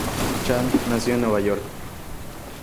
Chand nació en Nueva York.